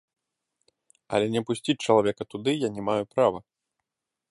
Але не пусціць чалавека туды я не маю права.